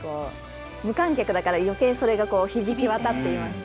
無観客だからそれがよけい響き渡っていました。